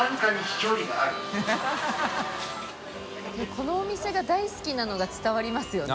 このお店が大好きなのが伝わりますよね。